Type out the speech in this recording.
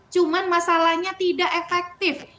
cuma masalahnya tidak efektif